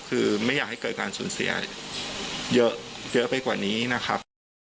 คือไม่อยากให้เกิดการสูญเสียเยอะไปกว่านี้นะครับ